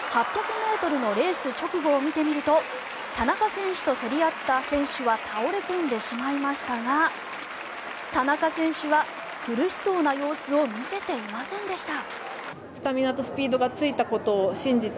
８００ｍのレース直後を見てみると田中選手と競り合った選手は倒れ込んでしまいましたが田中選手は苦しそうな様子を見せていませんでした。